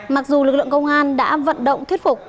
mặc dù lực lượng công an đã vận động thuyết phục